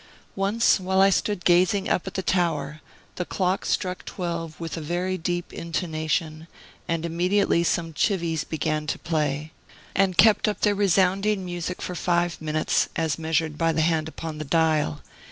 Once, while I stood gazing up at the tower, the clock struck twelve with a very deep intonation, and immediately some chivies began to play, and kept up their resounding music for five minutes, as measured by the hand upon the dial.